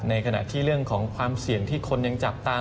ในขณะที่เรื่องของความเสี่ยงที่คนยังจับตา